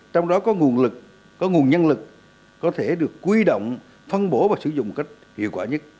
trong đó có nguồn lực có nguồn nhân lực có thể được quy động phân bổ và sử dụng cách hiệu quả nhất